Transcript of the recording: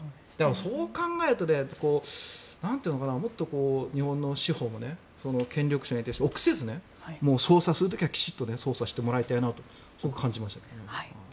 そう考えるともっと日本の司法も権力者に臆せず捜査する時はきちんと捜査してもらいたいなとすごく感じましたね。